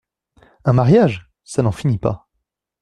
Un mariage !… ça n’en finit pas…